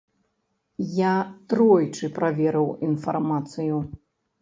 Я тройчы праверыў інфармацыю.